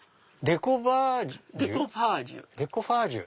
デコパージュ。